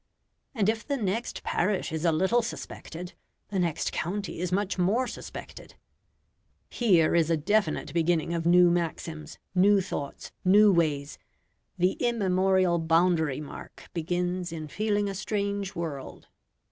And if the next parish is a little suspected, the next county is much more suspected. Here is a definite beginning of new maxims, new thoughts, new ways: the immemorial boundary mark begins in feeling a strange world.